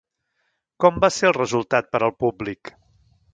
Com va ser el resultat per al públic?